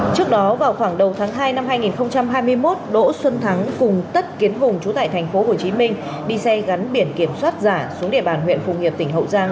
trước đó vào khoảng đầu tháng hai năm hai nghìn hai mươi một đỗ xuân thắng cùng tất kiến hùng trú tại tp hcm đi xe gắn biển kiểm soát giả xuống địa bàn huyện phù hiệp tỉnh hậu giang